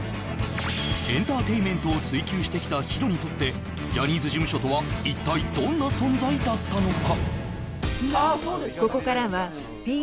エンターテインメントを追求してきたＨＩＲＯにとってジャニーズ事務所とは一体どんな存在だったのか？